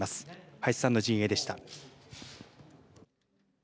林さんの陣営でした。